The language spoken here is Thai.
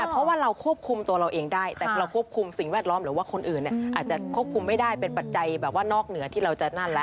เพราะว่าเราควบคุมตัวเราเองได้แต่เราควบคุมสิ่งแวดล้อมหรือว่าคนอื่นอาจจะควบคุมไม่ได้เป็นปัจจัยแบบว่านอกเหนือที่เราจะนั่นแล้ว